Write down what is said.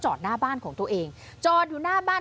สุดทนแล้วกับเพื่อนบ้านรายนี้ที่อยู่ข้างกัน